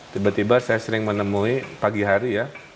tiba tiba saya sering menemui pagi hari ya